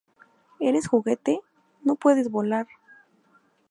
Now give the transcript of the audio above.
¡ Eres juguete! ¡ no puedes volar!